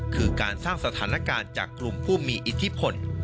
คือการสร้างสถานการณ์จากกลุ่มผู้มีอิทธิพล